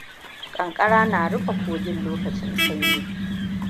Ƙanƙara na rufe kogin lokacin sanyi.